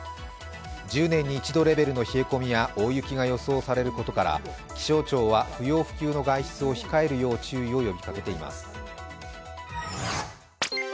１０年に一度レベルの冷え込みや大雪が予想されることから気象庁は不要不急の外出を控えるよう注意を呼びかけています。